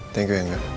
thank you yangga